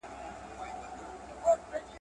• د پيشي غول دارو سوه، پيشي په خاورو کي پټ کړه.